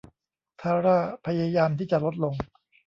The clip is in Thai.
ธาร่าพยายามที่จะลดลง